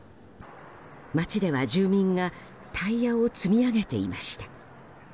街では住民がタイヤを積み上げていました。